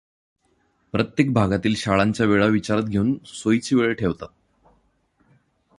प्रत्येक भागातील शाळांच्या वेळा विचारात घेऊन सोईची वेळ ठेवतात.